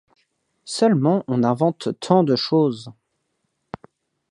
Seulement, on invente tant de choses.